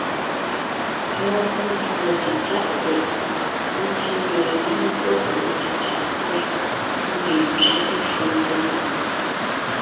Pɔ́ɔn lépʉe tsetsáʼ tɛʼ, ńtí nue, mé gÿo púʼu tsetsáʼ pÿɛ́, ḿbiŋ ńtsẅɛ́te shúm lépoŋ.